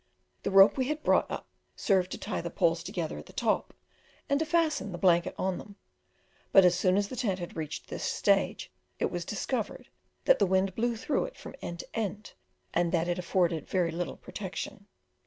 The rope we had brought up served to tie the poles together at the top, and to fasten the blanket on them; but as soon as the tent had reached this stage, it was discovered that the wind blew through it from end to end, and that it afforded very little protection.